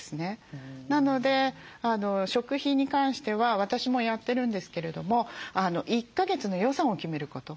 なので食費に関しては私もやってるんですけれども１か月の予算を決めること。